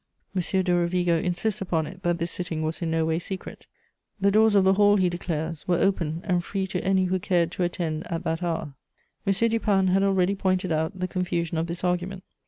M. de Rovigo insists upon it that this sitting was in no way secret: "The doors of the hall," he declares, "were open and free to any who cared to attend at that hour." M. Dupin had already pointed out the confusion of this argument.